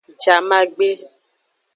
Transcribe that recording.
Jamagbe.